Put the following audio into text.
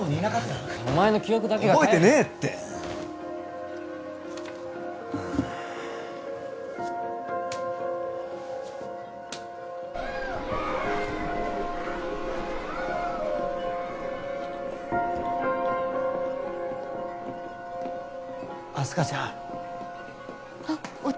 お前の記憶だけが覚えてねえって明日香ちゃんあッお茶